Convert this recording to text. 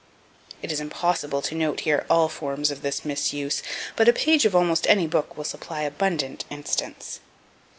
It is impossible to note here all forms of this misuse, but a page of almost any book will supply abundant instance.